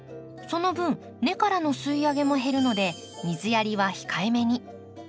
その分根からの吸い上げも減るので水やりは控えめに。